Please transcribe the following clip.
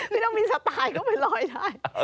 ไม่ต้องมีสไตล์ก็ไปลอยได้